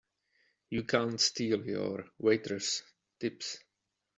You can't steal your waiters' tips!